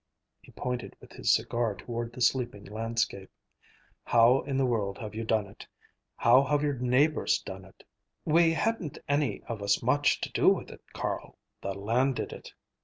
He pointed with his cigar toward the sleeping landscape. "How in the world have you done it? How have your neighbors done it?" "We hadn't any of us much to do with it, Carl. The land did it.